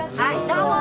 どうも。